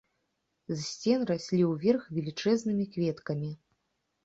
З сцен раслі ўверх велічэзнымі кветкамі!